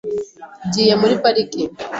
Ngiye muri parike .